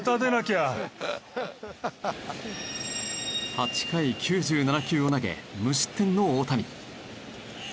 ８回９７球を投げ無失点の大谷。